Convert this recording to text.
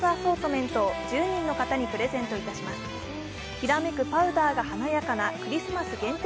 きらめくパウダーが華やかなクリスマス限定